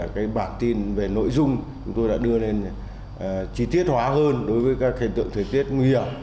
các bản tin về nội dung đã đưa lên chi tiết hóa hơn đối với các hình tượng thời tiết nguy hiểm